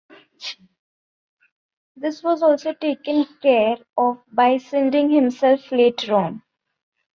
This was also taken care of by Sinding himself later on.